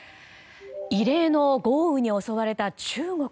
異例の豪雨に襲われた中国。